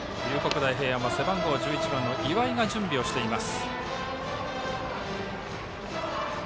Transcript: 大平安は背番号１１番の岩井が準備をしています。